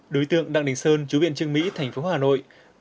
đối tượng đặng đình sơn chú viện trưng mỹ thành phố hà nội